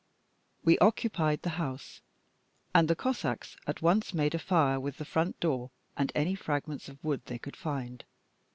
We occupied the house; and the Cossacks at once made a fire with the front door and any fragments of wood they could find.